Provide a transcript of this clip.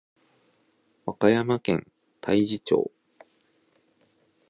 和歌山県太地町